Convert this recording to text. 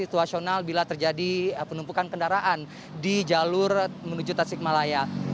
ini adalah situasional bila terjadi penumpukan kendaraan di jalur menuju tasik malaya